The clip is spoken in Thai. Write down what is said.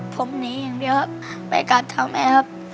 ผมหนีอย่างเดียวครับไปกัดเท้าแม่ครับ